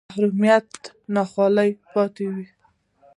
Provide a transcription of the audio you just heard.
محرومیتونه ناخوالې پاتې وې